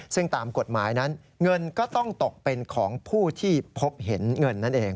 ซึ่งตามกฎหมายนั้นเงินก็ต้องตกเป็นของผู้ที่พบเห็นเงินนั่นเอง